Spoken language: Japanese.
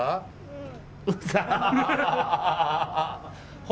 うん。